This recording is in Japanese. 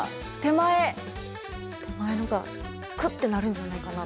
前の方がクッてなるんじゃないかな。